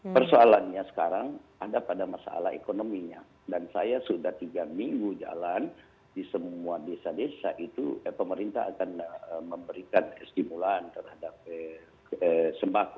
persoalannya sekarang ada pada masalah ekonominya dan saya sudah tiga minggu jalan di semua desa desa itu pemerintah akan memberikan estimulan terhadap sembako